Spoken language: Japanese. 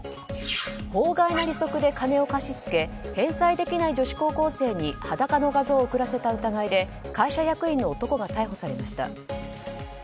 法外な利息で金を貸し付け返済できない女子高校生に裸の画像を送らせた疑いで会社役員の男が逮捕されました。